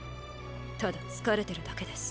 ただ疲れてるだけです。